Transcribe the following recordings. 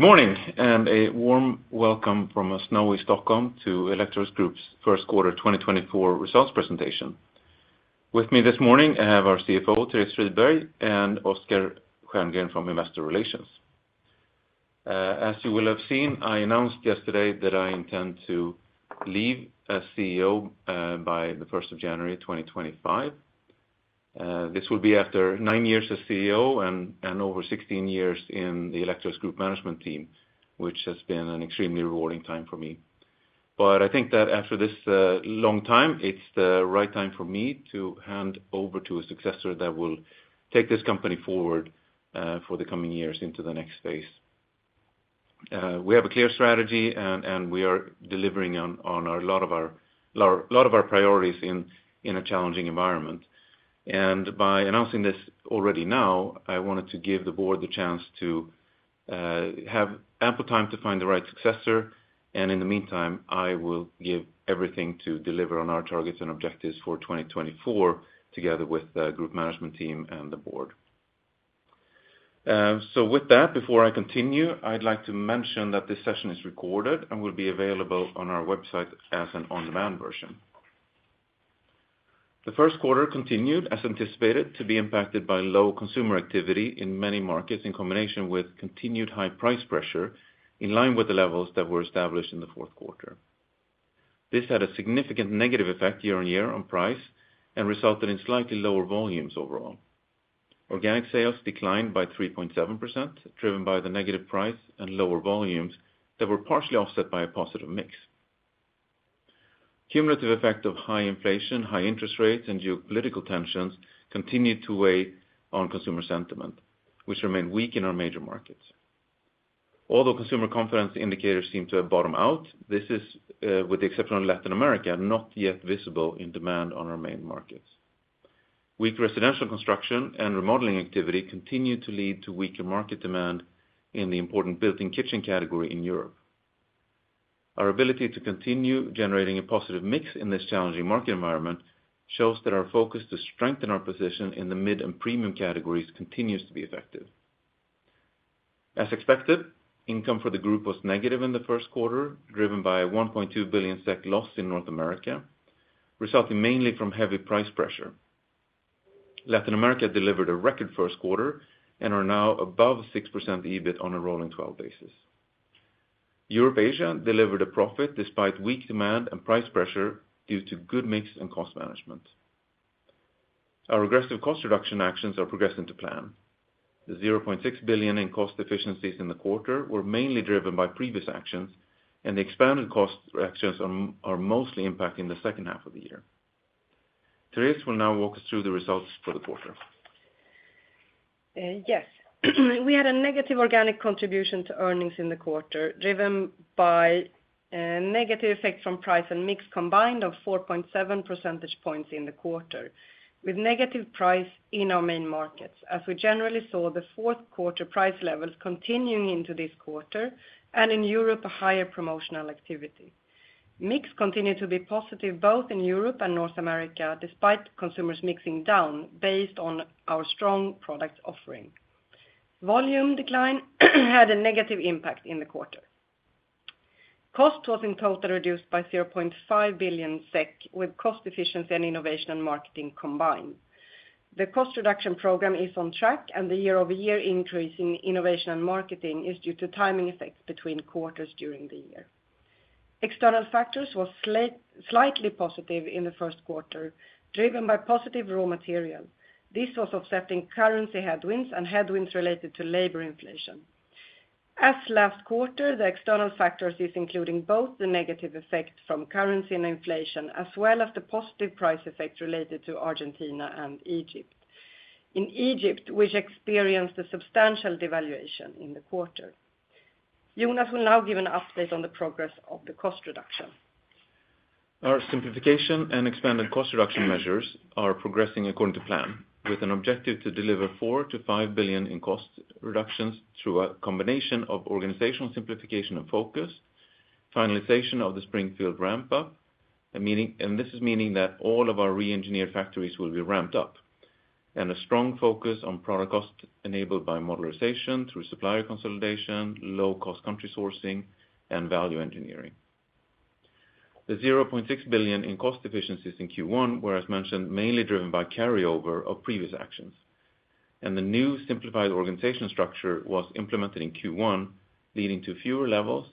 Good morning and a warm welcome from a snowy Stockholm to Electrolux Group's First Quarter 2024 Results Presentation. With me this morning I have our CFO Therese Friberg and Oscar Stjerngren from Investor Relations. As you will have seen I announced yesterday that I intend to leave as CEO by the 1st of January 2025. This will be after nine years as CEO and over 16 years in the Electrolux Group management team, which has been an extremely rewarding time for me. But I think that after this long time it's the right time for me to hand over to a successor that will take this company forward for the coming years into the next phase. We have a clear strategy and we are delivering on a lot of our priorities in a challenging environment. And by announcing this already now I wanted to give the board the chance to have ample time to find the right successor and in the meantime I will give everything to deliver on our targets and objectives for 2024 together with the group management team and the board. So with that before I continue I'd like to mention that this session is recorded and will be available on our website as an on-demand version. The first quarter continued as anticipated to be impacted by low consumer activity in many markets in combination with continued high price pressure in line with the levels that were established in the fourth quarter. This had a significant negative effect year-on-year on price and resulted in slightly lower volumes overall. Organic sales declined by 3.7% driven by the negative price and lower volumes that were partially offset by a positive mix. Cumulative effect of high inflation, high interest rates, and geopolitical tensions continued to weigh on consumer sentiment, which remained weak in our major markets. Although consumer confidence indicators seem to have bottomed out, this is, with the exception of Latin America, not yet visible in demand on our main markets. Weak residential construction and remodeling activity continue to lead to weaker market demand in the important built-in kitchen category in Europe. Our ability to continue generating a positive mix in this challenging market environment shows that our focus to strengthen our position in the mid and premium categories continues to be effective. As expected, income for the group was negative in the first quarter driven by a 1.2 billion SEK loss in North America, resulting mainly from heavy price pressure. Latin America delivered a record first quarter and are now above 6% EBIT on a rolling 12 basis. Europe/Asia delivered a profit despite weak demand and price pressure due to good mix and cost management. Our aggressive cost reduction actions are progressing to plan. The 0.6 billion in cost efficiencies in the quarter were mainly driven by previous actions and the expanded cost actions are mostly impacting the second half of the year. Therese will now walk us through the results for the quarter. Yes. We had a negative organic contribution to earnings in the quarter driven by a negative effect from price and mix combined of 4.7 percentage points in the quarter, with negative price in our main markets as we generally saw the fourth quarter price levels continuing into this quarter and in Europe a higher promotional activity. Mix continued to be positive both in Europe and North America despite consumers mixing down based on our strong product offering. Volume decline had a negative impact in the quarter. Cost was in total reduced by 0.5 billion SEK with cost efficiency and innovation and marketing combined. The cost reduction program is on track and the year-over-year increase in innovation and marketing is due to timing effects between quarters during the year. External factors were slightly positive in the first quarter driven by positive raw material. This was offsetting currency headwinds and headwinds related to labor inflation. As last quarter, the external factors is including both the negative effect from currency and inflation as well as the positive price effect related to Argentina and Egypt, which experienced a substantial devaluation in the quarter. Jonas will now give an update on the progress of the cost reduction. Our simplification and expanded cost reduction measures are progressing according to plan with an objective to deliver 4 billion-5 billion in cost reductions through a combination of organizational simplification and focus, finalization of the Springfield ramp-up, and this is meaning that all of our re-engineered factories will be ramped up, and a strong focus on product cost enabled by modularization through supplier consolidation, low-cost country sourcing, and value engineering. The 0.6 billion in cost efficiencies in Q1 were, as mentioned, mainly driven by carryover of previous actions, and the new simplified organization structure was implemented in Q1 leading to fewer levels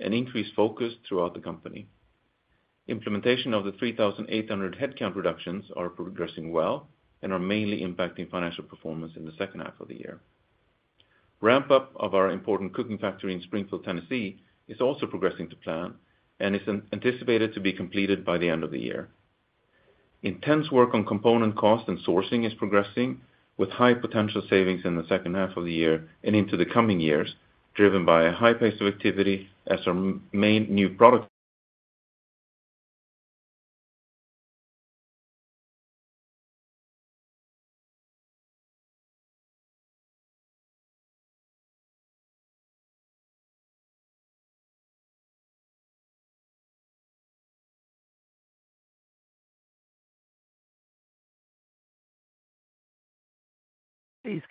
and increased focus throughout the company. Implementation of the 3,800 headcount reductions are progressing well and are mainly impacting financial performance in the second half of the year. Ramp-up of our important cooking factory in Springfield, Tennessee, is also progressing to plan and is anticipated to be completed by the end of the year. Intense work on component cost and sourcing is progressing with high potential savings in the second half of the year and into the coming years driven by a high pace of activity as our main new product.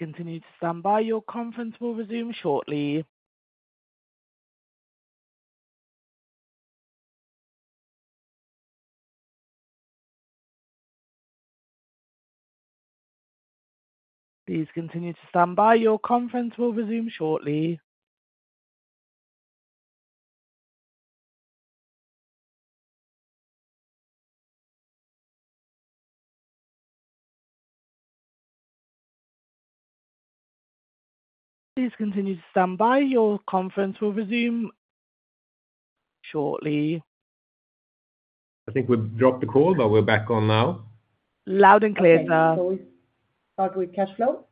Please continue to stand by. Your conference will resume shortly. Please continue to stand by. Your conference will resume shortly. Please continue to stand by. Your conference will resume shortly. I think we've dropped the call, but we're back on now. Loud and clear, sir. As always, start with cash flow.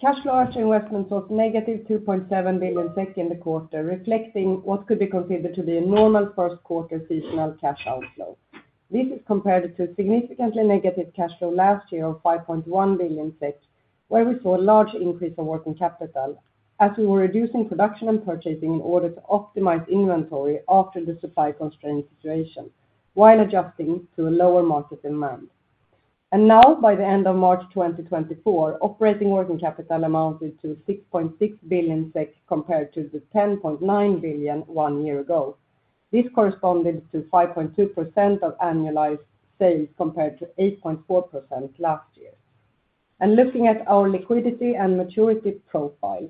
Cash flow after investments was -2.7 billion in the quarter, reflecting what could be considered to be a normal first-quarter seasonal cash outflow. This is compared to significantly negative cash flow last year of 5.1 billion, where we saw a large increase of working capital as we were reducing production and purchasing in order to optimize inventory after the supply constrained situation while adjusting to a lower market demand. And now, by the end of March 2024, operating working capital amounted to 6.6 billion SEK compared to the 10.9 billion one year ago. This corresponded to 5.2% of annualized sales compared to 8.4% last year. And looking at our liquidity and maturity profile,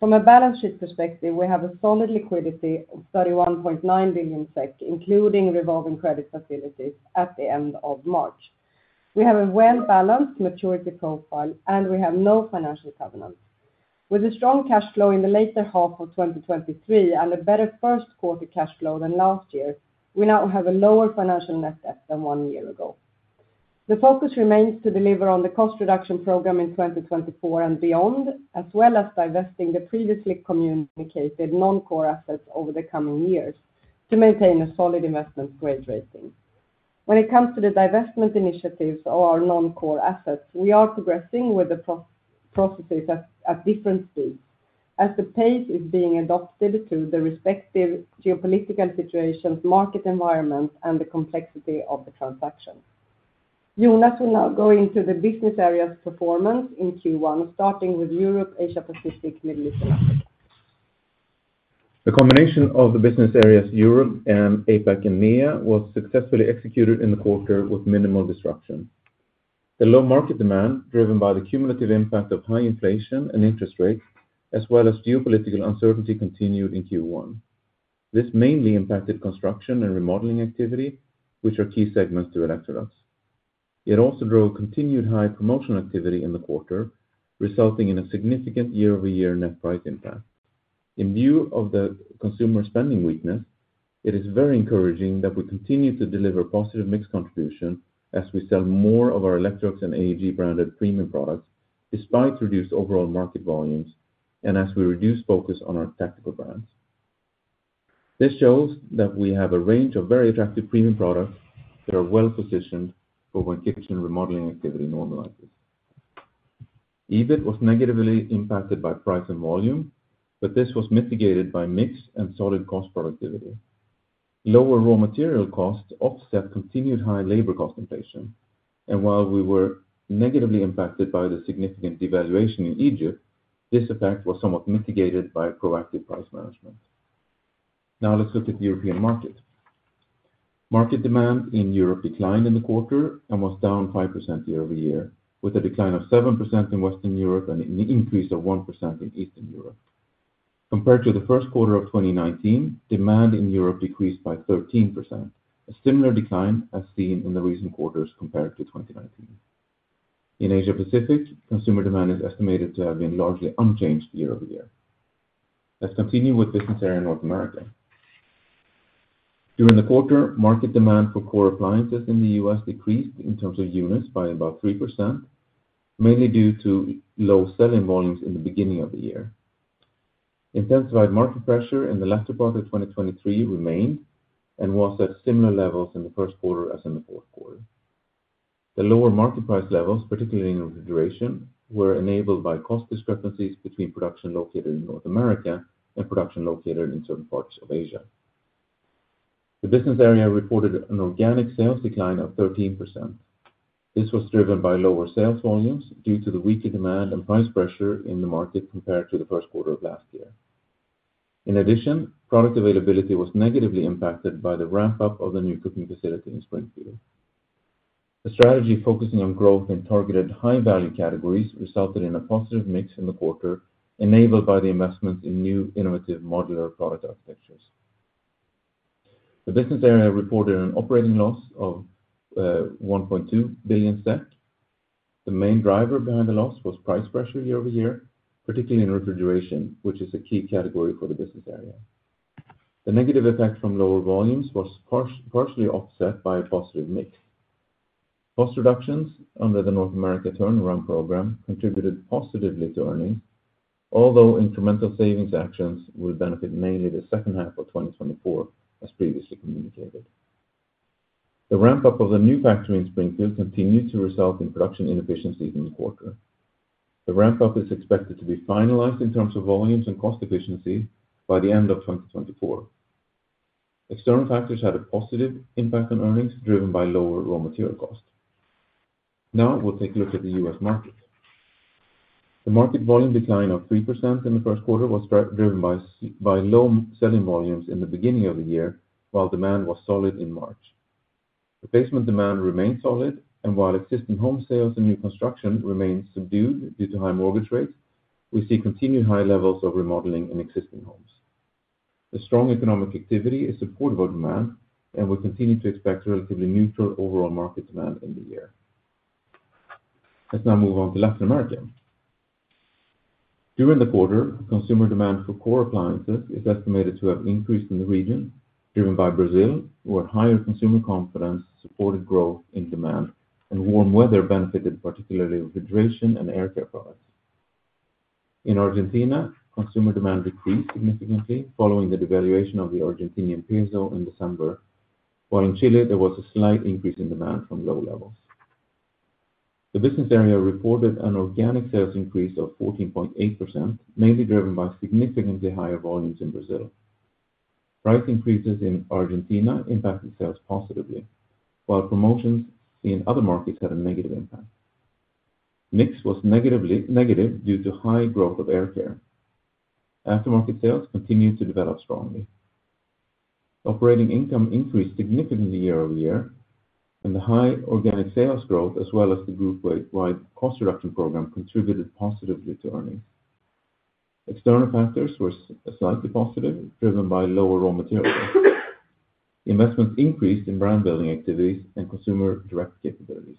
from a balance sheet perspective, we have a solid liquidity of 31.9 billion SEK, including revolving credit facilities, at the end of March. We have a well-balanced maturity profile, and we have no financial covenants. With a strong cash flow in the later half of 2023 and a better first-quarter cash flow than last year, we now have a lower financial net debt than one year ago. The focus remains to deliver on the cost reduction program in 2024 and beyond, as well as divesting the previously communicated non-core assets over the coming years to maintain a solid investment grade rating. When it comes to the divestment initiatives or our non-core assets, we are progressing with the processes at different speeds as the pace is being adapted to the respective geopolitical situations, market environment, and the complexity of the transaction. Jonas will now go into the business areas' performance in Q1, starting with Europe, Asia-Pacific, Middle East, and Africa. The combination of the business areas Europe and APAC and MEA was successfully executed in the quarter with minimal disruption. The low market demand driven by the cumulative impact of high inflation and interest rates, as well as geopolitical uncertainty, continued in Q1. This mainly impacted construction and remodeling activity, which are key segments to Electrolux. It also drove continued high promotional activity in the quarter, resulting in a significant year-over-year net price impact. In view of the consumer spending weakness, it is very encouraging that we continue to deliver positive mix contribution as we sell more of our Electrolux and AEG branded premium products despite reduced overall market volumes and as we reduce focus on our tactical brands. This shows that we have a range of very attractive premium products that are well-positioned for when kitchen remodeling activity normalizes. EBIT was negatively impacted by price and volume, but this was mitigated by mixed and solid cost productivity. Lower raw material costs offset continued high labor cost inflation, and while we were negatively impacted by the significant devaluation in Egypt, this effect was somewhat mitigated by proactive price management. Now let's look at the European market. Market demand in Europe declined in the quarter and was down 5% year-over-year, with a decline of 7% in Western Europe and an increase of 1% in Eastern Europe. Compared to the first quarter of 2019, demand in Europe decreased by 13%, a similar decline as seen in the recent quarters compared to 2019. In Asia-Pacific, consumer demand is estimated to have been largely unchanged year-over-year. Let's continue with business area North America. During the quarter, market demand for core appliances in the U.S. decreased in terms of units by about 3%, mainly due to low selling volumes in the beginning of the year. Intensified market pressure in the latter part of 2023 remained and was at similar levels in the first quarter as in the fourth quarter. The lower market price levels, particularly in refrigeration, were enabled by cost discrepancies between production located in North America and production located in certain parts of Asia. The business area reported an organic sales decline of 13%. This was driven by lower sales volumes due to the weaker demand and price pressure in the market compared to the first quarter of last year. In addition, product availability was negatively impacted by the ramp-up of the new cooking facility in Springfield. A strategy focusing on growth in targeted high-value categories resulted in a positive mix in the quarter, enabled by the investments in new innovative modular product architectures. The business area reported an operating loss of 1.2 billion. The main driver behind the loss was price pressure year-over-year, particularly in refrigeration, which is a key category for the business area. The negative effect from lower volumes was partially offset by a positive mix. Cost reductions under the North America Turnaround Program contributed positively to earnings, although incremental savings actions will benefit mainly the second half of 2024, as previously communicated. The ramp-up of the new factory in Springfield continued to result in production inefficiencies in the quarter. The ramp-up is expected to be finalized in terms of volumes and cost efficiency by the end of 2024. External factors had a positive impact on earnings driven by lower raw material costs. Now we'll take a look at the U.S. market. The market volume decline of 3% in the first quarter was driven by low selling volumes in the beginning of the year while demand was solid in March. Replacement demand remained solid, and while existing home sales and new construction remain subdued due to high mortgage rates, we see continued high levels of remodeling in existing homes. The strong economic activity is supportive of demand, and we continue to expect relatively neutral overall market demand in the year. Let's now move on to Latin America. During the quarter, consumer demand for core appliances is estimated to have increased in the region, driven by Brazil, where higher consumer confidence supported growth in demand and warm weather benefited particularly with hydration and air care products. In Argentina, consumer demand decreased significantly following the devaluation of the Argentine peso in December, while in Chile, there was a slight increase in demand from low levels. The business area reported an organic sales increase of 14.8%, mainly driven by significantly higher volumes in Brazil. Price increases in Argentina impacted sales positively, while promotions in other markets had a negative impact. Mix was negative due to high growth of air care. Aftermarket sales continued to develop strongly. Operating income increased significantly year-over-year, and the high organic sales growth, as well as the group-wide cost reduction program, contributed positively to earnings. External factors were slightly positive, driven by lower raw material costs. Investments increased in brand-building activities and consumer direct capabilities.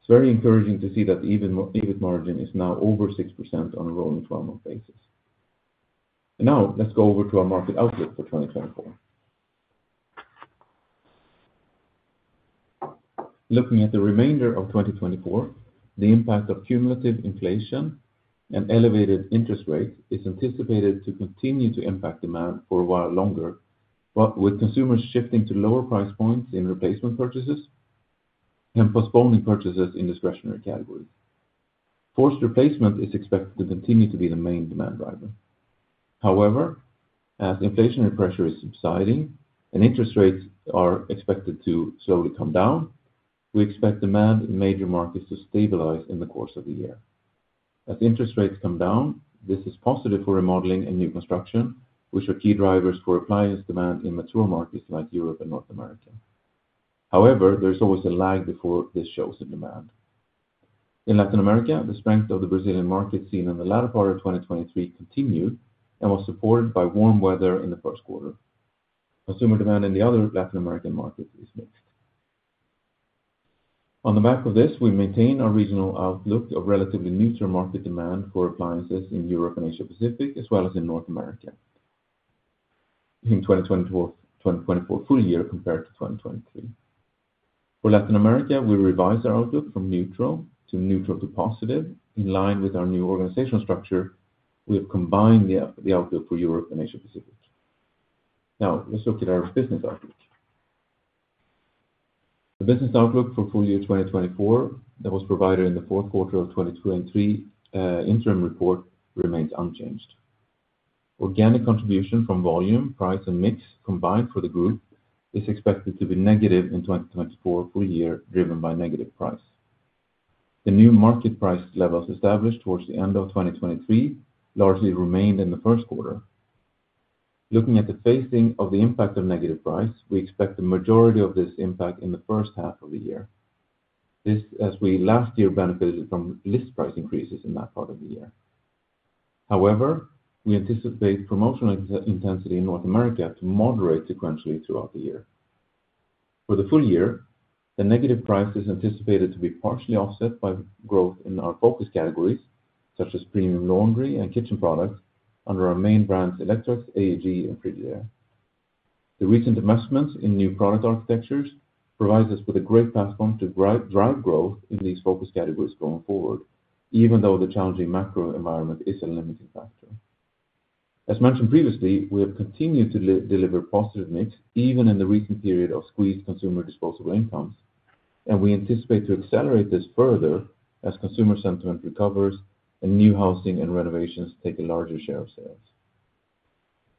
It's very encouraging to see that the EBIT margin is now over 6% on a rolling 12-month basis. Now let's go over to our market outlook for 2024. Looking at the remainder of 2024, the impact of cumulative inflation and elevated interest rates is anticipated to continue to impact demand for a while longer, with consumers shifting to lower price points in replacement purchases and postponing purchases in discretionary categories. Forced replacement is expected to continue to be the main demand driver. However, as inflationary pressure is subsiding and interest rates are expected to slowly come down, we expect demand in major markets to stabilize in the course of the year. As interest rates come down, this is positive for remodeling and new construction, which are key drivers for appliance demand in mature markets like Europe and North America. However, there is always a lag before this shows in demand. In Latin America, the strength of the Brazilian market seen in the latter part of 2023 continued and was supported by warm weather in the first quarter. Consumer demand in the other Latin American markets is mixed. On the back of this, we maintain our regional outlook of relatively neutral market demand for appliances in Europe and Asia-Pacific, as well as in North America in 2024 full year compared to 2023. For Latin America, we revised our outlook from neutral to neutral to positive. In line with our new organizational structure, we have combined the outlook for Europe and Asia-Pacific. Now let's look at our business outlook. The business outlook for full year 2024 that was provided in the fourth quarter of 2023 interim report remains unchanged. Organic contribution from volume, price, and mix combined for the group is expected to be negative in 2024 full year, driven by negative price. The new market price levels established towards the end of 2023 largely remained in the first quarter. Looking at the phasing of the impact of negative price, we expect the majority of this impact in the first half of the year, as we last year benefited from list price increases in that part of the year. However, we anticipate promotional intensity in North America to moderate sequentially throughout the year. For the full year, the negative price is anticipated to be partially offset by growth in our focus categories, such as premium laundry and kitchen products, under our main brands Electrolux, AEG, and Frigidaire. The recent investments in new product architectures provide us with a great platform to drive growth in these focus categories going forward, even though the challenging macro environment is a limiting factor. As mentioned previously, we have continued to deliver positive mix even in the recent period of squeezed consumer disposable incomes, and we anticipate to accelerate this further as consumer sentiment recovers and new housing and renovations take a larger share of sales.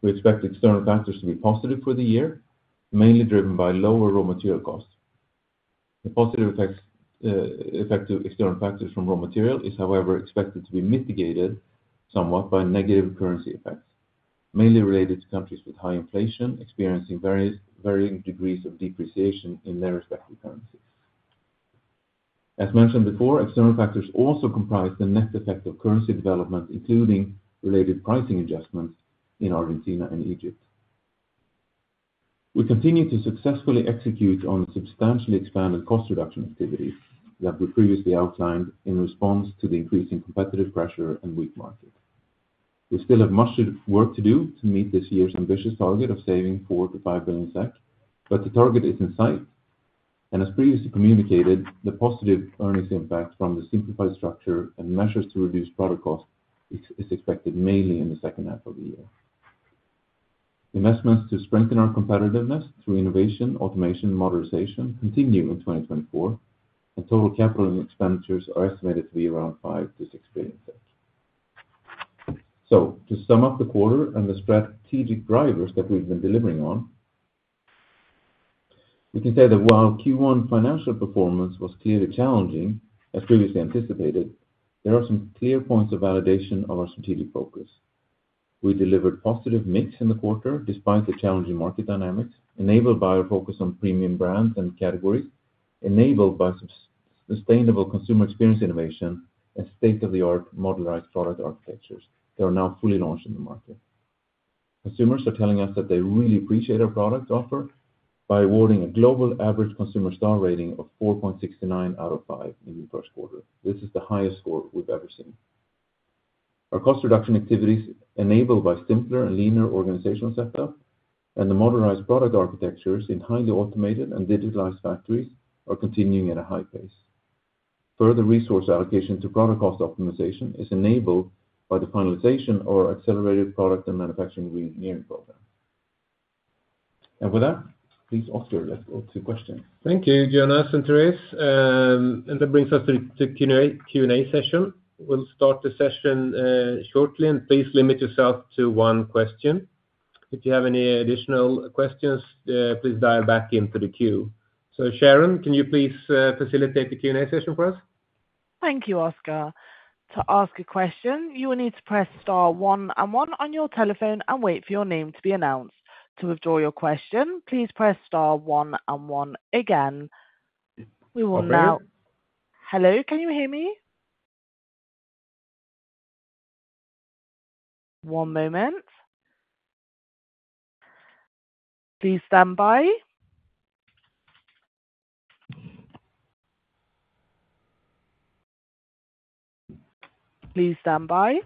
We expect external factors to be positive for the year, mainly driven by lower raw material costs. The positive effect to external factors from raw material is, however, expected to be mitigated somewhat by negative currency effects, mainly related to countries with high inflation experiencing varying degrees of depreciation in their respective currencies. As mentioned before, external factors also comprise the net effect of currency development, including related pricing adjustments in Argentina and Egypt. We continue to successfully execute on substantially expanded cost reduction activities that we previously outlined in response to the increasing competitive pressure and weak market. We still have much work to do to meet this year's ambitious target of saving 4 billion-5 billion SEK, but the target is in sight. As previously communicated, the positive earnings impact from the simplified structure and measures to reduce product costs is expected mainly in the second half of the year. Investments to strengthen our competitiveness through innovation, automation, and modernization continue in 2024, and total capital expenditures are estimated to be around SEK 5 billion-SEK 6 billion. To sum up the quarter and the strategic drivers that we've been delivering on, we can say that while Q1 financial performance was clearly challenging, as previously anticipated, there are some clear points of validation of our strategic focus. We delivered positive mix in the quarter despite the challenging market dynamics, enabled by our focus on premium brands and categories, enabled by sustainable consumer experience innovation, and state-of-the-art modularized product architectures that are now fully launched in the market. Consumers are telling us that they really appreciate our product offer by awarding a global average consumer star rating of 4.69 out of 5 in the first quarter. This is the highest score we've ever seen. Our cost reduction activities, enabled by simpler and leaner organizational setup and the modernized product architectures in highly automated and digitalized factories, are continuing at a high pace. Further resource allocation to product cost optimization is enabled by the finalization of our accelerated product and manufacturing reengineering programs. With that, please, Oscar, let's go to questions. Thank you, Jonas and Therese. That brings us to the Q&A session. We'll start the session shortly, and please limit yourself to one question. If you have any additional questions, please dial back into the queue. Sharon, can you please facilitate the Q&A session for us? Thank you, Oscar. To ask a question, you will need to press star one and one on your telephone and wait for your name to be announced. To withdraw your question, please press star one and one again. We will now. Hello, can you hear me? One moment. Please stand by. Please stand by.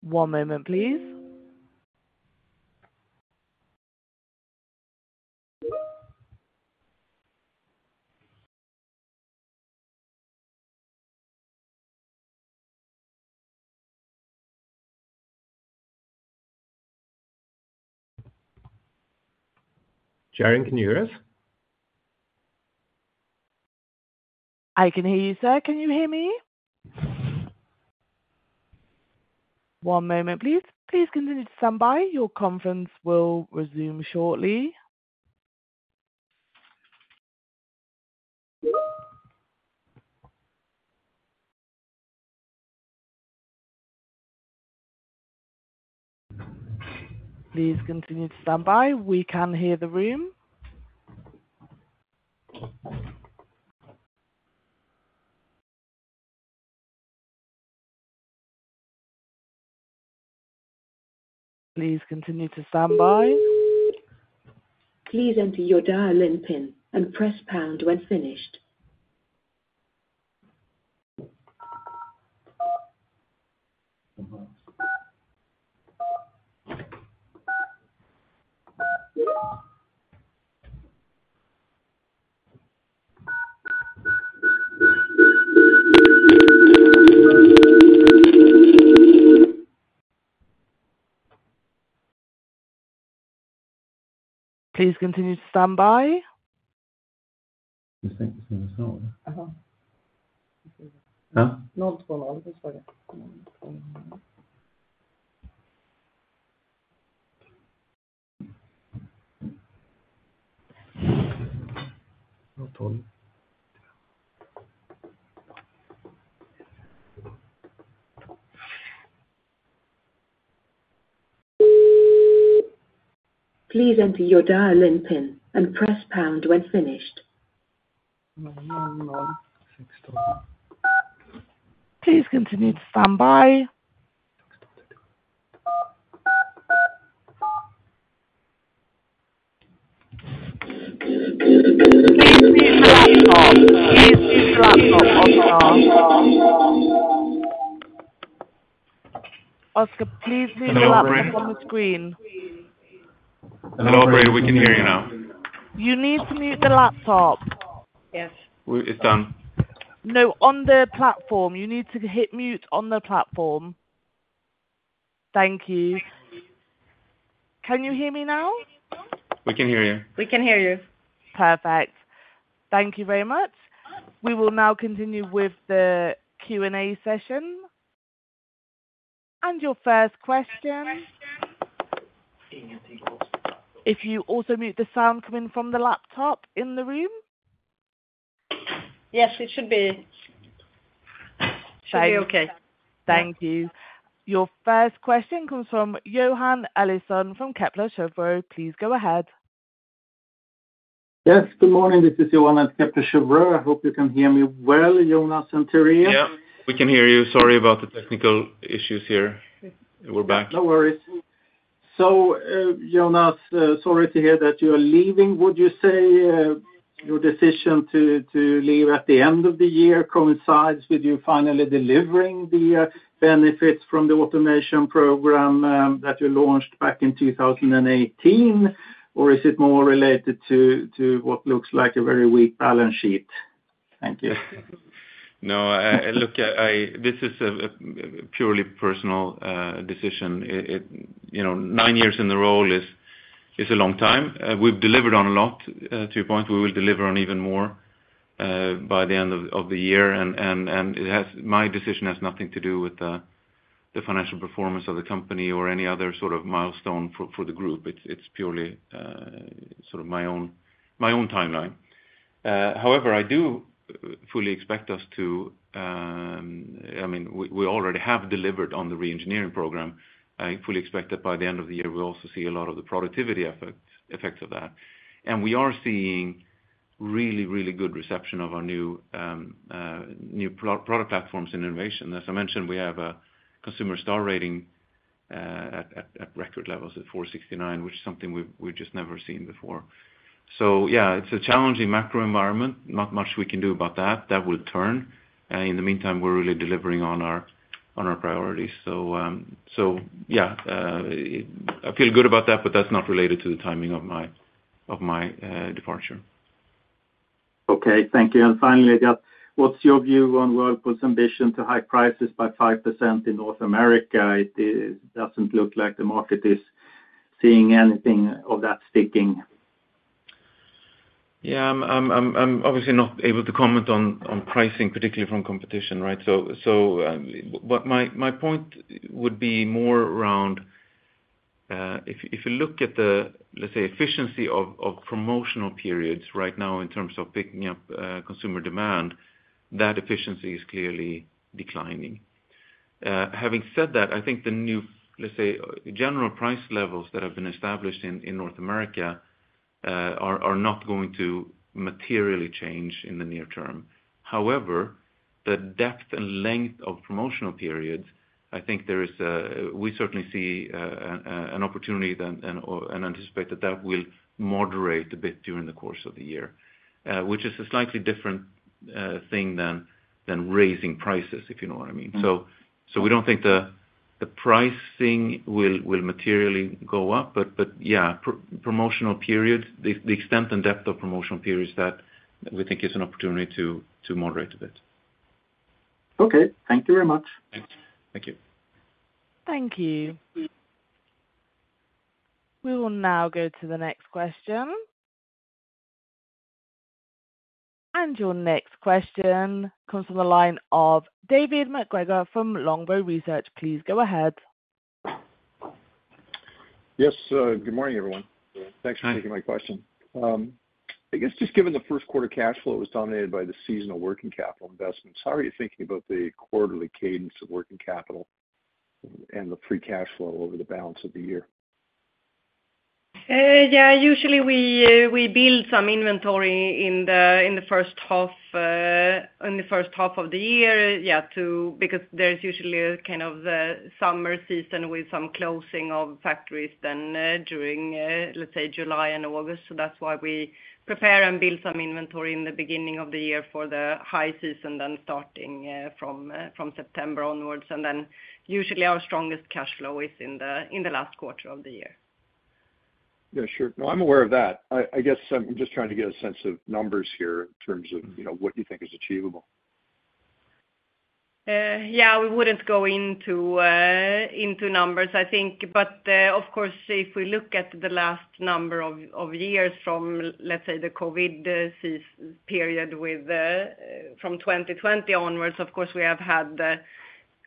One moment, please. Sharon, can you hear us? I can hear you, sir. Can you hear me? One moment, please. Please continue to stand by. Your conference will resume shortly. Please continue to stand by. We can hear the room. Please continue to stand by. Please enter your dial-in PIN and press pound when finished. Please continue to stand by. Please enter your dial-in PIN and press pound when finished. 1, 1, 1, 6, 12. Sir, please mute the laptop on the screen. Hello, Operator. We can hear you now. You need to mute the laptop. It's done. No, on the platform. You need to hit mute on the platform. Thank you. Can you hear me now? We can hear you. We can hear you. Perfect. Thank you very much. We will now continue with the Q&A session and your first question. If you also mute the sound coming from the laptop in the room. Yes, it should be. Should be okay. Thank you. Your first question comes from Johan Eliason from Kepler Cheuvreux. Please go ahead. Yes, good morning. This is Johan at Kepler Cheuvreux. I hope you can hear me well, Jonas and Therese. Yeah, we can hear you. Sorry about the technical issues here. We're back. No worries. So, Jonas, sorry to hear that you are leaving. Would you say your decision to leave at the end of the year coincides with you finally delivering the benefits from the automation program that you launched back in 2018, or is it more related to what looks like a very weak balance sheet? Thank you. No, look, this is a purely personal decision. Nine years in the role is a long time. We've delivered on a lot, to your point. We will deliver on even more by the end of the year. My decision has nothing to do with the financial performance of the company or any other sort of milestone for the group. It's purely sort of my own timeline. However, I do fully expect I mean, we already have delivered on the reengineering program. I fully expect that by the end of the year, we also see a lot of the productivity effects of that. We are seeing really, really good reception of our new product platforms and innovation. As I mentioned, we have a consumer star rating at record levels at 4.69, which is something we've just never seen before. Yeah, it's a challenging macro environment. Not much we can do about that. That will turn. In the meantime, we're really delivering on our priorities. So yeah, I feel good about that, but that's not related to the timing of my departure. Okay. Thank you. Finally, Edgar, what's your view on Whirlpool's ambition to hike prices by 5% in North America? It doesn't look like the market is seeing anything of that sticking. Yeah, I'm obviously not able to comment on pricing, particularly from competition, right? So my point would be more around if you look at the, let's say, efficiency of promotional periods right now in terms of picking up consumer demand, that efficiency is clearly declining. Having said that, I think the new, let's say, general price levels that have been established in North America are not going to materially change in the near term. However, the depth and length of promotional periods, I think there is, we certainly see an opportunity and anticipate that that will moderate a bit during the course of the year, which is a slightly different thing than raising prices, if you know what I mean. So we don't think the pricing will materially go up. But yeah, promotional periods, the extent and depth of promotional periods that we think is an opportunity to moderate a bit. Okay. Thank you very much. Thank you. Thank you. We will now go to the next question. Your next question comes from the line of David MacGregor from Longbow Research. Please go ahead. Yes. Good morning, everyone. Thanks for taking my question. I guess just given the first quarter cash flow was dominated by the seasonal working capital investments, how are you thinking about the quarterly cadence of working capital and the free cash flow over the balance of the year? Yeah, usually we build some inventory in the first half in the first half of the year, yeah, because there's usually kind of the summer season with some closing of factories then, let's say, July and August. So that's why we prepare and build some inventory in the beginning of the year for the high season, then starting from September onwards. And then usually our strongest cash flow is in the last quarter of the year. Yeah, sure. No, I'm aware of that. I guess I'm just trying to get a sense of numbers here in terms of what you think is achievable. Yeah, we wouldn't go into numbers, I think. Of course, if we look at the last number of years from, let's say, the COVID period from 2020 onwards, of course, we have had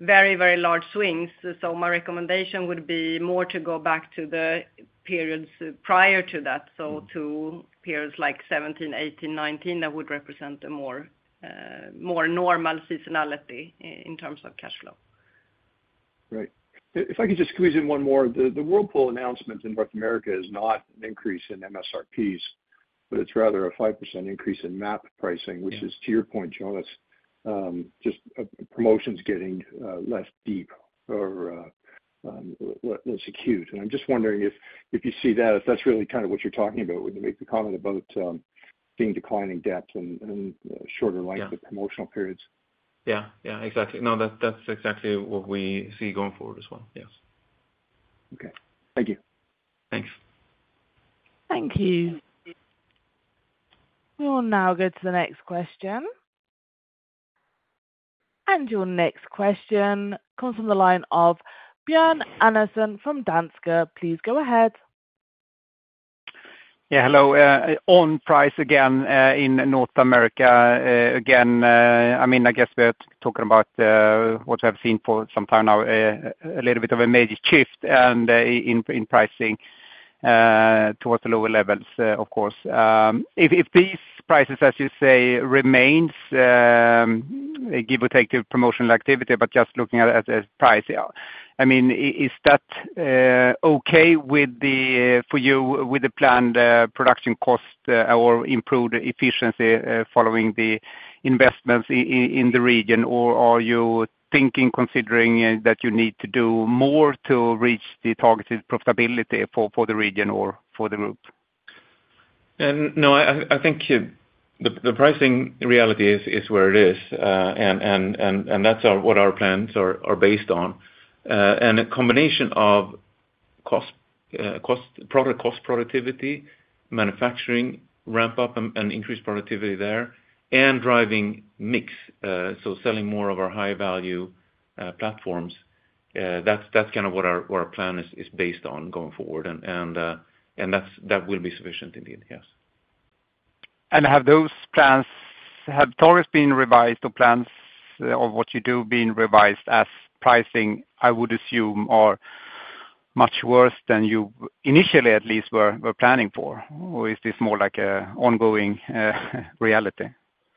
very, very large swings. My recommendation would be more to go back to the periods prior to that, so to periods like 2017, 2018, 2019 that would represent a more normal seasonality in terms of cash flow. Right. If I could just squeeze in one more, the Whirlpool announcement in North America is not an increase in MSRPs, but it's rather a 5% increase in MAP pricing, which is, to your point, Jonas, just promotions getting less deep or less acute. And I'm just wondering if you see that, if that's really kind of what you're talking about, when you make the comment about seeing declining depth and shorter length of promotional periods? Yeah, yeah, exactly. No, that's exactly what we see going forward as well. Yes. Okay. Thank you. Thanks. Thank you. We will now go to the next question. Your next question comes from the line of Björn Enarson from Danske Bank. Please go ahead. Yeah, hello. On price again in North America, again, I mean, I guess we are talking about what we have seen for some time now, a little bit of a major shift in pricing towards the lower levels, of course. If these prices, as you say, remains, give or take to promotional activity, but just looking at price, I mean, is that okay for you with the planned production cost or improved efficiency following the investments in the region, or are you thinking, considering that you need to do more to reach the targeted profitability for the region or for the group? No, I think the pricing reality is where it is, and that's what our plans are based on. And a combination of product cost productivity, manufacturing ramp-up and increased productivity there, and driving mix, so selling more of our high-value platforms, that's kind of what our plan is based on going forward. And that will be sufficient indeed. Yes. Have those plans have tariffs been revised or plans of what you do been revised as pricing, I would assume, are much worse than you initially, at least, were planning for? Or is this more like an ongoing reality?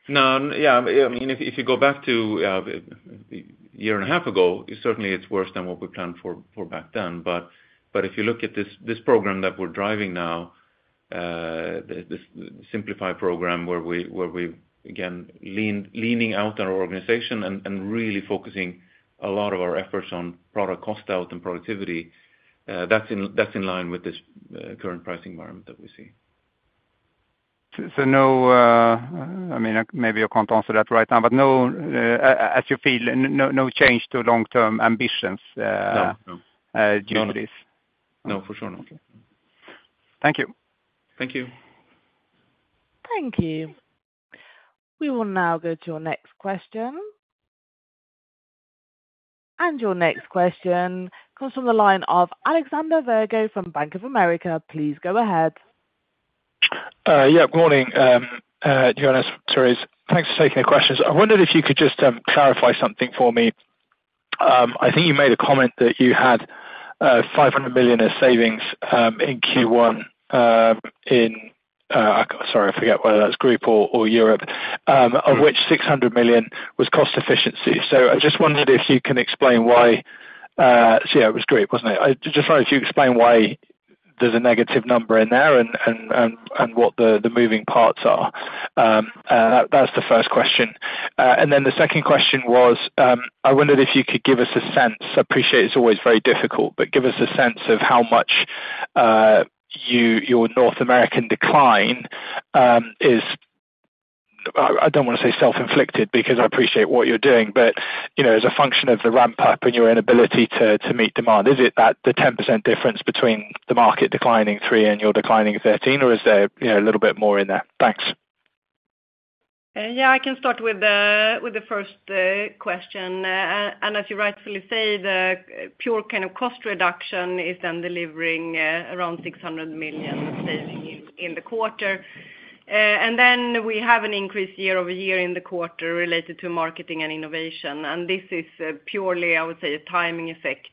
No, yeah. I mean, if you go back to a year and a half ago, certainly it's worse than what we planned for back then. But if you look at this program that we're driving now, the Simplify program where we're, again, leaning out our organization and really focusing a lot of our efforts on product cost out and productivity, that's in line with this current pricing environment that we see. So, no, I mean, maybe you can't answer that right now, but no, as you feel, no change to long-term ambitions due to this? No, no. No, for sure not. Thank you. Thank you. Thank you. We will now go to your next question. Your next question comes from the line of Alexander Virgo from Bank of America. Please go ahead. Yeah, good morning, Jonas, Therese. Thanks for taking the questions. I wondered if you could just clarify something for me. I think you made a comment that you had 500 million in savings in Q1, sorry, I forget whether that's group or Europe, of which 600 million was cost efficiency. So I just wondered if you can explain why so yeah, it was group, wasn't it? I just wondered if you could explain why there's a negative number in there and what the moving parts are. That's the first question. And then the second question was, I wondered if you could give us a sense I appreciate it's always very difficult, but give us a sense of how much your North American decline is I don't want to say self-inflicted because I appreciate what you're doing, but as a function of the ramp-up and your inability to meet demand. Is it the 10% difference between the market declining 3% and your declining 13%, or is there a little bit more in there? Thanks. Yeah, I can start with the first question. As you rightfully say, the pure kind of cost reduction is then delivering around 600 million saving in the quarter. Then we have an increase year-over-year in the quarter related to marketing and innovation. This is purely, I would say, a timing effect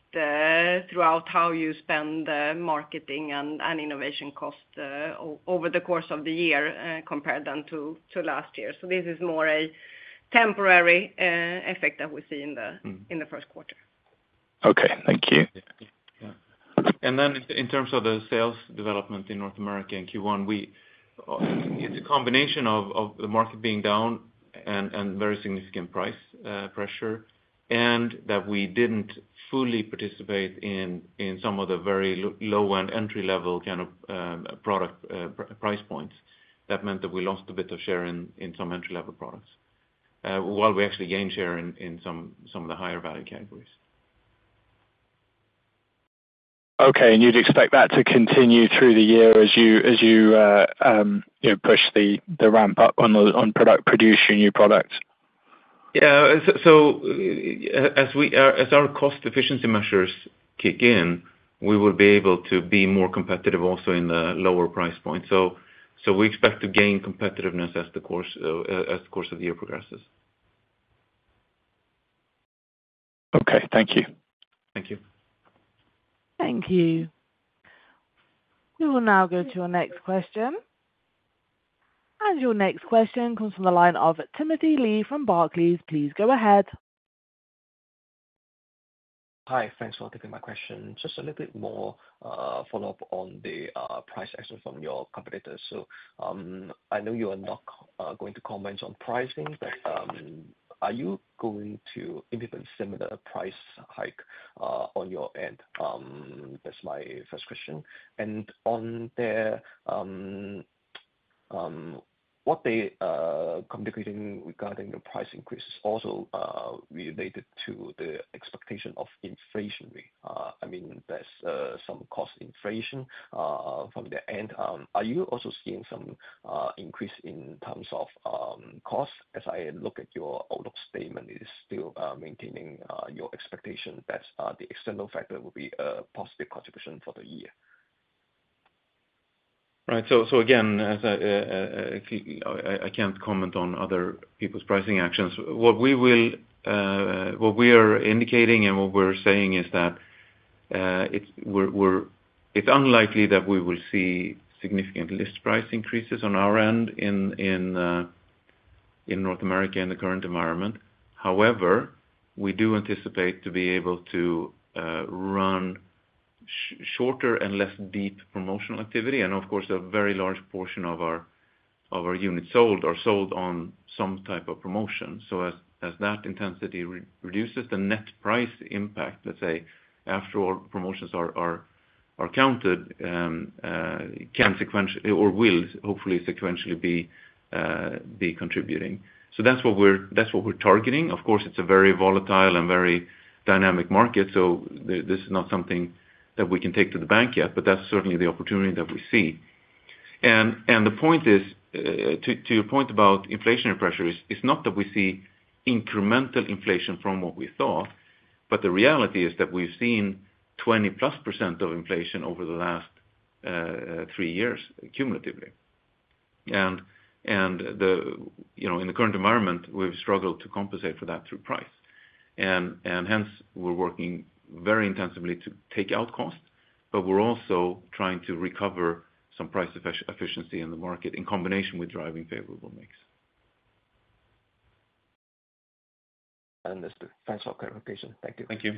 throughout how you spend marketing and innovation cost over the course of the year compared then to last year. This is more a temporary effect that we see in the first quarter. Okay. Thank you. In terms of the sales development in North America in Q1, it's a combination of the market being down and very significant price pressure and that we didn't fully participate in some of the very low-end entry-level kind of product price points. That meant that we lost a bit of share in some entry-level products while we actually gained share in some of the higher-value categories. Okay. You'd expect that to continue through the year as you push the ramp-up on product production, new products? Yeah. As our cost efficiency measures kick in, we will be able to be more competitive also in the lower price points. We expect to gain competitiveness as the course of the year progresses. Okay. Thank you. Thank you. Thank you. We will now go to our next question. Your next question comes from the line of Timothy Lee from Barclays. Please go ahead. Hi, thanks for taking my question. Just a little bit more follow-up on the price action from your competitors. So I know you are not going to comment on pricing, but are you going to implement similar price hike on your end? That's my first question. What they're communicating regarding the price increase is also related to the expectation of inflation rate. I mean, there's some cost inflation from their end. Are you also seeing some increase in terms of cost? As I look at your outlook statement, it is still maintaining your expectation that the external factor will be a positive contribution for the year. Right. So again, I can't comment on other people's pricing actions. What we are indicating and what we're saying is that it's unlikely that we will see significant list price increases on our end in North America in the current environment. However, we do anticipate to be able to run shorter and less deep promotional activity. And of course, a very large portion of our units sold are sold on some type of promotion. So as that intensity reduces, the net price impact, let's say, after all promotions are counted, can or will hopefully sequentially be contributing. So that's what we're targeting. Of course, it's a very volatile and very dynamic market. So this is not something that we can take to the bank yet, but that's certainly the opportunity that we see. The point is, to your point about inflationary pressure, it's not that we see incremental inflation from what we thought, but the reality is that we've seen 20%+ of inflation over the last three years cumulatively. In the current environment, we've struggled to compensate for that through price. Hence, we're working very intensively to take out cost, but we're also trying to recover some price efficiency in the market in combination with driving favorable mix. Thanks for clarification. Thank you. Thank you.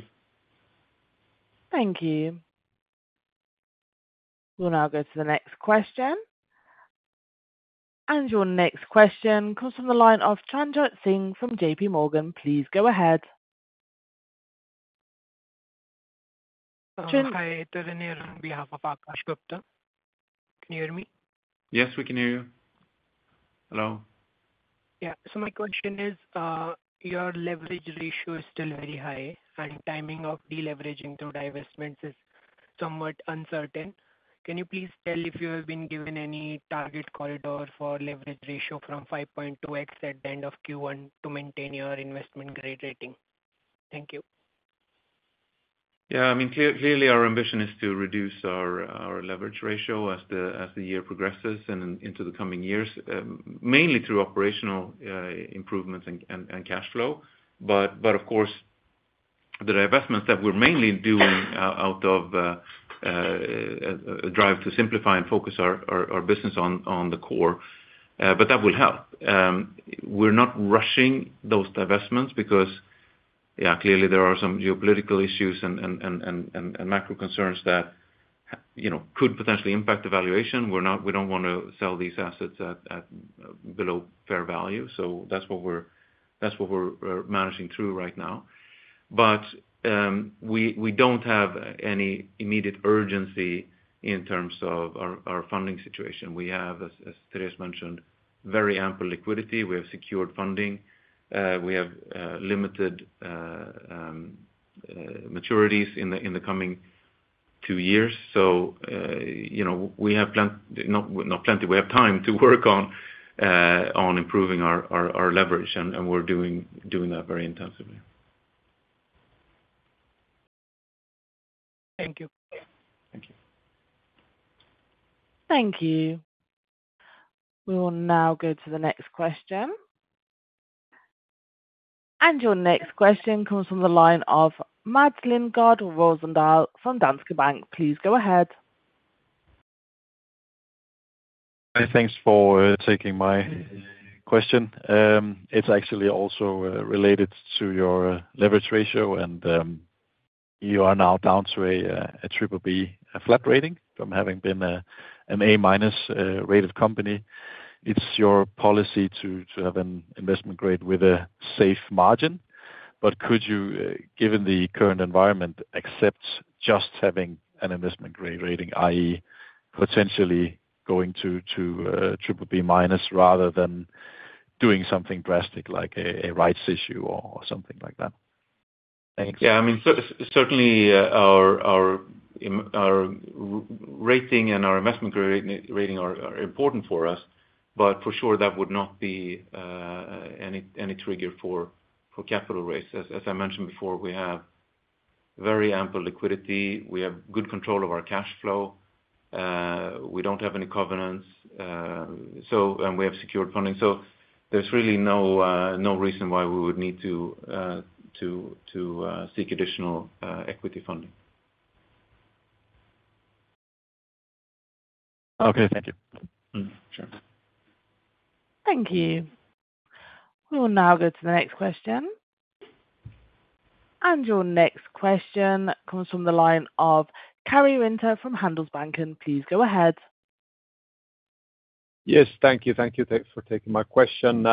Thank you. We will now go to the next question. Your next question comes from the line of Akash Gupta from JPMorgan. Please go ahead. Hi, Deven Nair on behalf of Akash Gupta. Can you hear me? Yes, we can hear you. Hello? Yeah. So my question is, your leverage ratio is still very high, and timing of deleveraging through divestments is somewhat uncertain. Can you please tell if you have been given any target corridor for leverage ratio from 5.2x at the end of Q1 to maintain your investment grade rating? Thank you. Yeah. I mean, clearly, our ambition is to reduce our leverage ratio as the year progresses and into the coming years, mainly through operational improvements and cash flow. But of course, the divestments that we're mainly doing out of a drive to simplify and focus our business on the core, but that will help. We're not rushing those divestments because, yeah, clearly, there are some geopolitical issues and macro concerns that could potentially impact the valuation. We don't want to sell these assets below fair value. So that's what we're managing through right now. But we don't have any immediate urgency in terms of our funding situation. We have, as Therese mentioned, very ample liquidity. We have secured funding. We have limited maturities in the coming two years. So we have plenty. We have time to work on improving our leverage, and we're doing that very intensively. Thank you. Thank you. Thank you. We will now go to the next question. Your next question comes from the line of Mads Lindegaard Rosendal from Danske Bank. Please go ahead. Hi, thanks for taking my question. It's actually also related to your leverage ratio. You are now down to a BBB flat rating from having been an A-minus rated company. It's your policy to have an investment grade with a safe margin. But could you, given the current environment, accept just having an investment grade rating, i.e., potentially going to BBB- rather than doing something drastic like a rights issue or something like that? Thanks. Yeah. I mean, certainly, our rating and our investment grade rating are important for us, but for sure, that would not be any trigger for capital raise. As I mentioned before, we have very ample liquidity. We have good control of our cash flow. We don't have any covenants, and we have secured funding. So there's really no reason why we would need to seek additional equity funding. Okay. Thank you. Sure. Thank you. We will now go to the next question. Your next question comes from the line of Karri Rinta from Handelsbanken. Please go ahead. Yes. Thank you. Thank you for taking my question.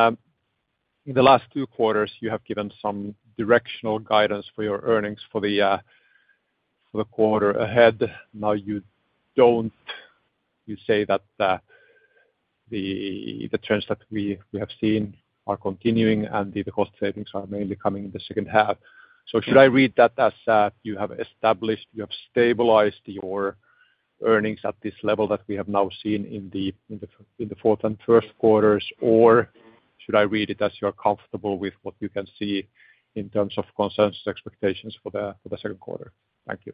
In the last two quarters, you have given some directional guidance for your earnings for the quarter ahead. Now, you say that the trends that we have seen are continuing and the cost savings are mainly coming in the second half. So should I read that as you have established, you have stabilized your earnings at this level that we have now seen in the fourth and first quarters, or should I read it as you are comfortable with what you can see in terms of consensus expectations for the second quarter? Thank you.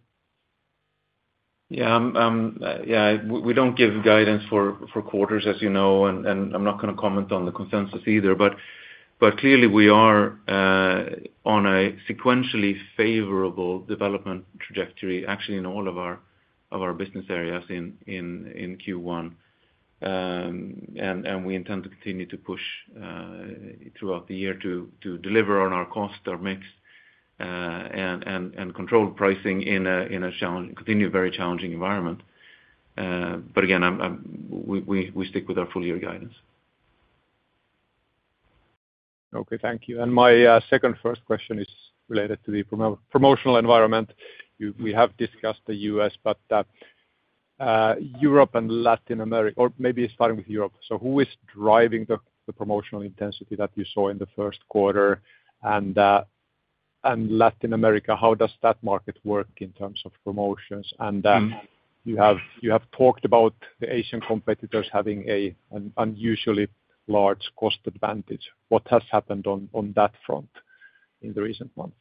Yeah. Yeah. We don't give guidance for quarters, as you know, and I'm not going to comment on the consensus either. But clearly, we are on a sequentially favorable development trajectory, actually, in all of our business areas in Q1. And we intend to continue to push throughout the year to deliver on our cost, our mix, and control pricing in a continually very challenging environment. But again, we stick with our full-year guidance. Okay. Thank you. My second first question is related to the promotional environment. We have discussed the U.S., but Europe and Latin America or maybe starting with Europe. So who is driving the promotional intensity that you saw in the first quarter? And Latin America, how does that market work in terms of promotions? And you have talked about the Asian competitors having an unusually large cost advantage. What has happened on that front in the recent months?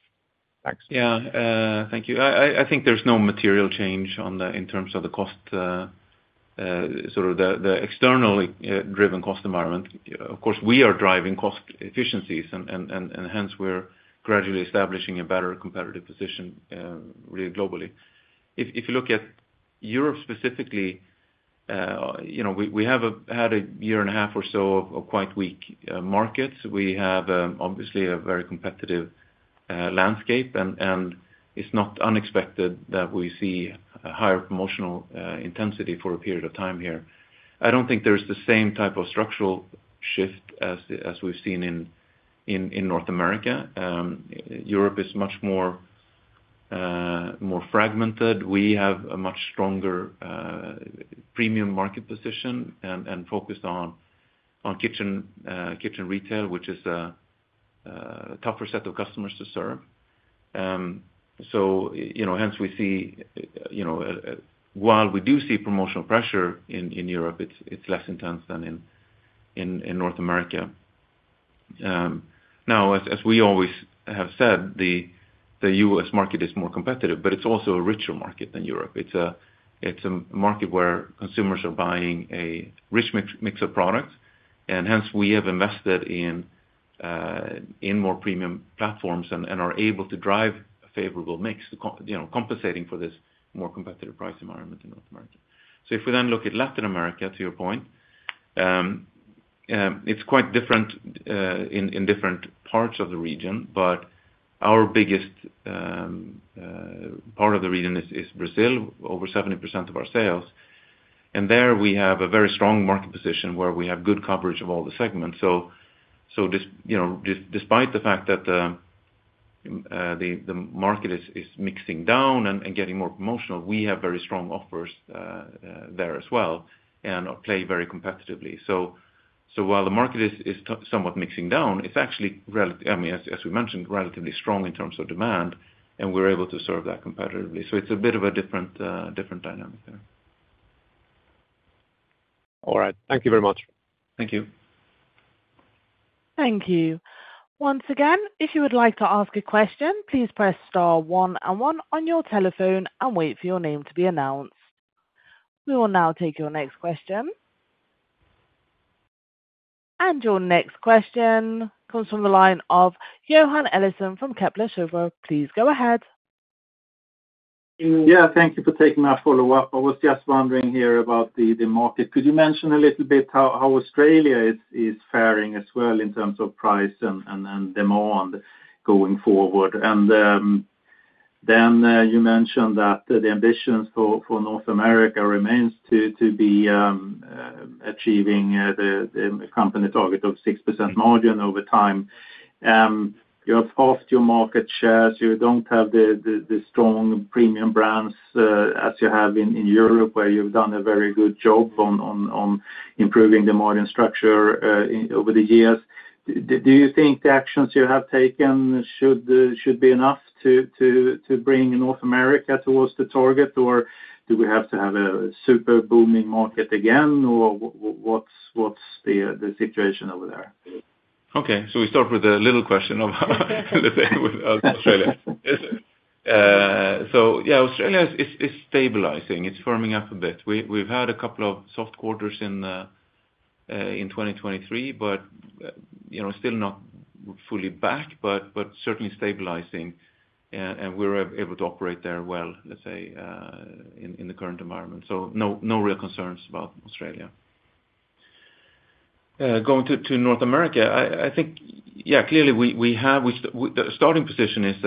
Thanks. Yeah. Thank you. I think there's no material change in terms of the cost, sort of the externally driven cost environment. Of course, we are driving cost efficiencies, and hence, we're gradually establishing a better competitive position really globally. If you look at Europe specifically, we have had a year and a half or so of quite weak markets. We have, obviously, a very competitive landscape, and it's not unexpected that we see higher promotional intensity for a period of time here. I don't think there's the same type of structural shift as we've seen in North America. Europe is much more fragmented. We have a much stronger premium market position and focused on kitchen retail, which is a tougher set of customers to serve. So hence, we see, while we do see promotional pressure in Europe, it's less intense than in North America. Now, as we always have said, the U.S. market is more competitive, but it's also a richer market than Europe. It's a market where consumers are buying a rich mix of products. And hence, we have invested in more premium platforms and are able to drive a favorable mix, compensating for this more competitive price environment in North America. So if we then look at Latin America, to your point, it's quite different in different parts of the region, but our biggest part of the region is Brazil, over 70% of our sales. And there, we have a very strong market position where we have good coverage of all the segments. So despite the fact that the market is mixing down and getting more promotional, we have very strong offers there as well and play very competitively. So while the market is somewhat mixing down, it's actually, I mean, as we mentioned, relatively strong in terms of demand, and we're able to serve that competitively. So it's a bit of a different dynamic there. All right. Thank you very much. Thank you. Thank you. Once again, if you would like to ask a question, please press star one and one on your telephone and wait for your name to be announced. We will now take your next question. And your next question comes from the line of Johan Eliason from Kepler Cheuvreux. Please go ahead. Yeah. Thank you for taking my follow-up. I was just wondering here about the market. Could you mention a little bit how Australia is faring as well in terms of price and demand going forward? And then you mentioned that the ambitions for North America remain to be achieving the company target of 6% margin over time. You have halved your market shares. You don't have the strong premium brands as you have in Europe, where you've done a very good job on improving the margin structure over the years. Do you think the actions you have taken should be enough to bring North America towards the target, or do we have to have a super booming market again, or what's the situation over there? Okay. So we start with a little question of Australia. So yeah, Australia is stabilizing. It's firming up a bit. We've had a couple of soft quarters in 2023, but still not fully back, but certainly stabilizing. And we're able to operate there well, let's say, in the current environment. So no real concerns about Australia. Going to North America, I think, yeah, clearly, we have the starting position is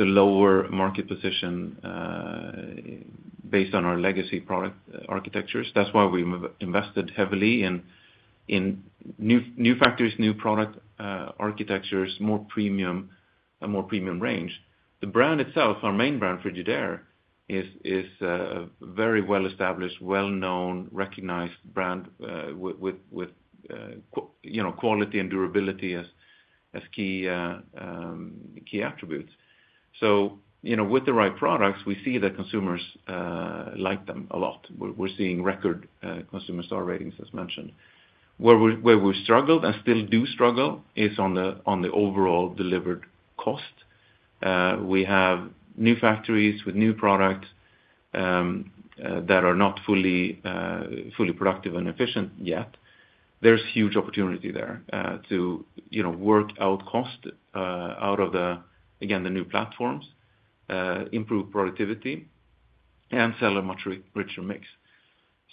a lower market position based on our legacy product architectures. That's why we've invested heavily in new factories, new product architectures, more premium range. The brand itself, our main brand, Frigidaire, is a very well-established, well-known, recognized brand with quality and durability as key attributes. So with the right products, we see that consumers like them a lot. We're seeing record consumer star ratings, as mentioned. Where we've struggled and still do struggle is on the overall delivered cost. We have new factories with new products that are not fully productive and efficient yet. There's huge opportunity there to work out cost out of, again, the new platforms, improve productivity, and sell a much richer mix.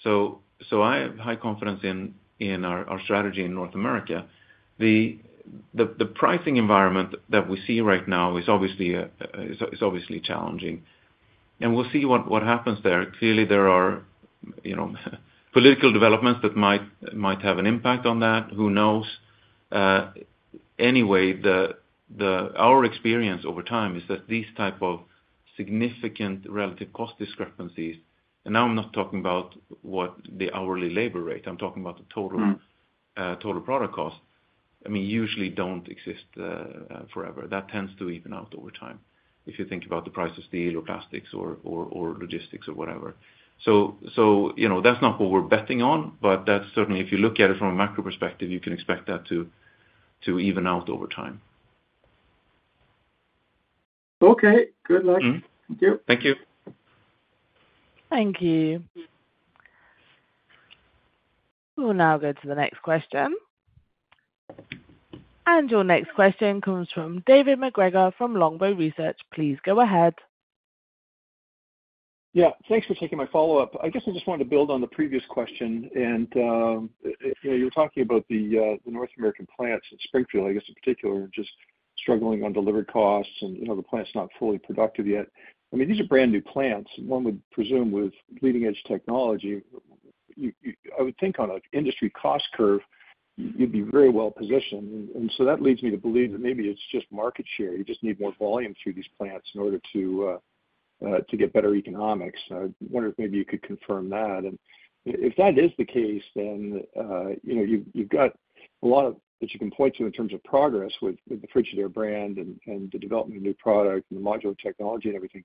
So I have high confidence in our strategy in North America. The pricing environment that we see right now is obviously challenging. We'll see what happens there. Clearly, there are political developments that might have an impact on that. Who knows? Anyway, our experience over time is that these type of significant relative cost discrepancies, and now I'm not talking about the hourly labor rate. I'm talking about the total product cost. I mean, usually don't exist forever. That tends to even out over time if you think about the price of steel or plastics or logistics or whatever. That's not what we're betting on, but certainly, if you look at it from a macro perspective, you can expect that to even out over time. Okay. Good luck. Thank you. Thank you. Thank you. We will now go to the next question. Your next question comes from David MacGregor from Longbow Research. Please go ahead. Yeah. Thanks for taking my follow-up. I guess I just wanted to build on the previous question. And you were talking about the North American plants at Springfield, I guess, in particular, just struggling on delivered costs and the plant's not fully productive yet. I mean, these are brand new plants. One would presume with leading-edge technology. I would think on an industry cost curve, you'd be very well-positioned. And so that leads me to believe that maybe it's just market share. You just need more volume through these plants in order to get better economics. I wonder if maybe you could confirm that. And if that is the case, then you've got a lot that you can point to in terms of progress with the Frigidaire brand and the development of new product and the modular technology and everything,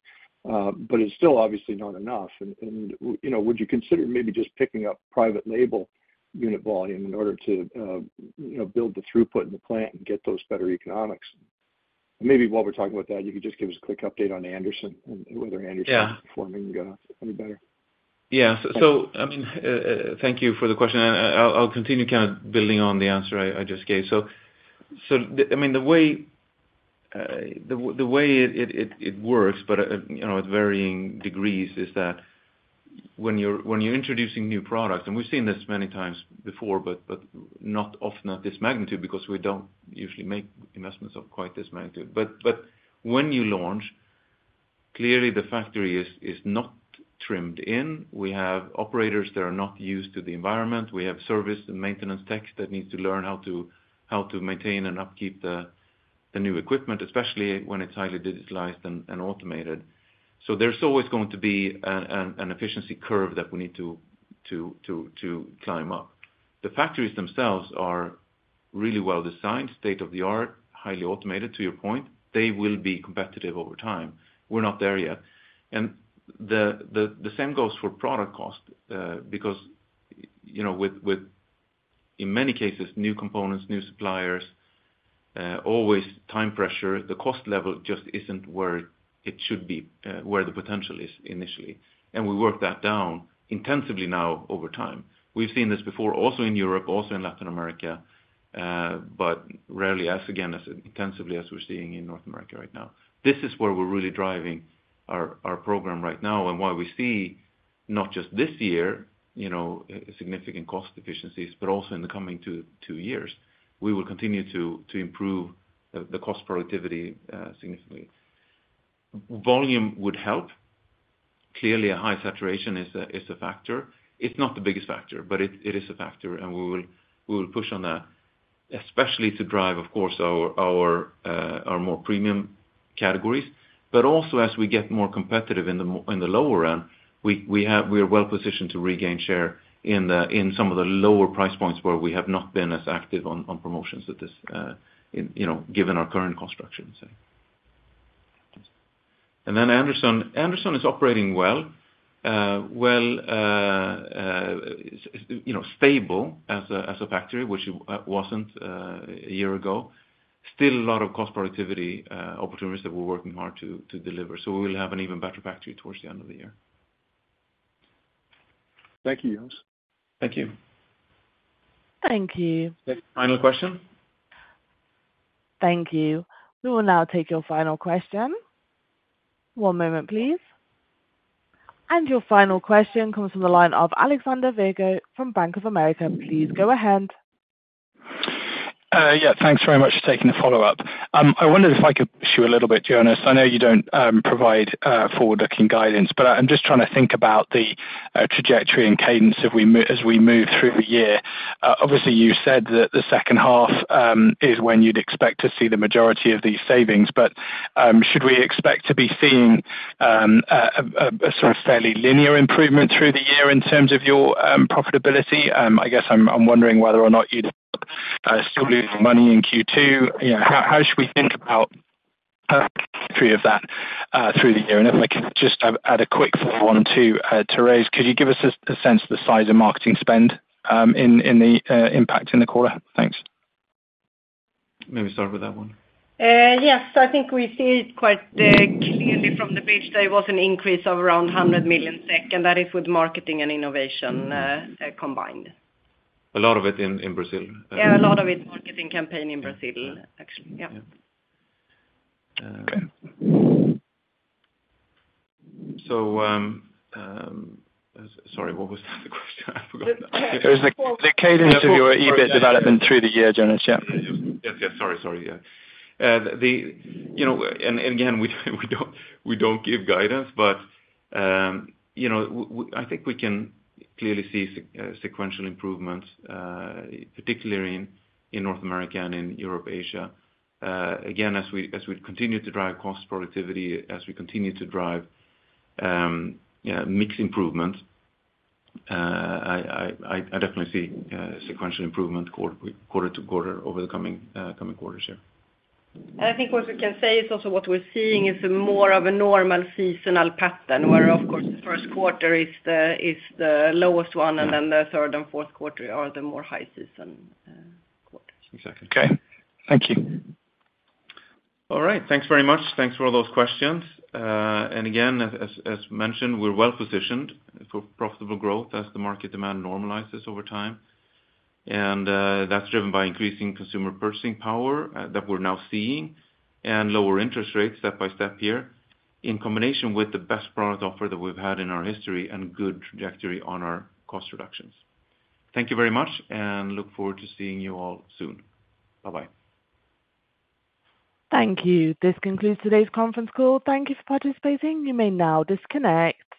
but it's still obviously not enough. Would you consider maybe just picking up private label unit volume in order to build the throughput in the plant and get those better economics? Maybe while we're talking about that, you could just give us a quick update on Anderson and whether Anderson is performing any better. Yeah. So I mean, thank you for the question. And I'll continue kind of building on the answer I just gave. So I mean, the way it works, but at varying degrees, is that when you're introducing new products and we've seen this many times before, but not often at this magnitude because we don't usually make investments of quite this magnitude. But when you launch, clearly, the factory is not trimmed in. We have operators that are not used to the environment. We have service and maintenance techs that need to learn how to maintain and upkeep the new equipment, especially when it's highly digitalized and automated. So there's always going to be an efficiency curve that we need to climb up. The factories themselves are really well designed, state-of-the-art, highly automated, to your point. They will be competitive over time. We're not there yet. The same goes for product cost because with, in many cases, new components, new suppliers, always time pressure, the cost level just isn't where it should be, where the potential is initially. And we work that down intensively now over time. We've seen this before, also in Europe, also in Latin America, but rarely as, again, intensively as we're seeing in North America right now. This is where we're really driving our program right now and why we see not just this year significant cost efficiencies, but also in the coming two years, we will continue to improve the cost productivity significantly. Volume would help. Clearly, a high saturation is a factor. It's not the biggest factor, but it is a factor. And we will push on that, especially to drive, of course, our more premium categories. Also, as we get more competitive in the lower end, we are well-positioned to regain share in some of the lower price points where we have not been as active on promotions given our current cost structure, say. Then Anderson is operating well, stable as a factory, which it wasn't a year ago. Still a lot of cost productivity opportunities that we're working hard to deliver. We will have an even better factory towards the end of the year. Thank you. Thank you. Thank you. Final question. Thank you. We will now take your final question. One moment, please. And your final question comes from the line of Alexander Virgo from Bank of America. Please go ahead. Yeah. Thanks very much for taking the follow-up. I wondered if I could ask a little bit, Jonas. I know you don't provide forward-looking guidance, but I'm just trying to think about the trajectory and cadence as we move through the year. Obviously, you said that the second half is when you'd expect to see the majority of these savings. But should we expect to be seeing a sort of fairly linear improvement through the year in terms of your profitability? I guess I'm wondering whether or not you'd still lose money in Q2. How should we think about the trajectory of that through the year? And if I could just add a quick follow-on to that, could you give us a sense of the size of marketing spend and the impact in the quarter? Thanks. Maybe start with that one. Yes. I think we see it quite clearly from the bridge. There was an increase of around 100 million SEK. That is with marketing and innovation combined. A lot of it in Brazil? Yeah. A lot of it marketing campaign in Brazil, actually. Yeah. Okay. So sorry. What was the other question? I forgot. It was the cadence of your EBIT development through the year, Jonas. Yeah. And again, we don't give guidance, but I think we can clearly see sequential improvements, particularly in North America and in Europe, Asia. Again, as we continue to drive cost productivity, as we continue to drive mix improvement, I definitely see sequential improvement quarter-to-quarter over the coming quarters here. I think what we can say is also what we're seeing is more of a normal seasonal pattern where, of course, the first quarter is the lowest one, and then the third and fourth quarters are the more high-season quarters. Exactly. Okay. Thank you. All right. Thanks very much. Thanks for all those questions. And again, as mentioned, we're well-positioned for profitable growth as the market demand normalizes over time. And that's driven by increasing consumer purchasing power that we're now seeing and lower interest rates step by step here in combination with the best product offer that we've had in our history and good trajectory on our cost reductions. Thank you very much, and look forward to seeing you all soon. Bye-bye. Thank you. This concludes today's conference call. Thank you for participating. You may now disconnect.